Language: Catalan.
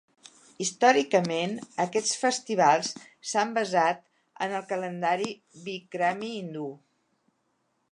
Històricament, aquests festivals s'han basat en el calendari Bikrami hindú.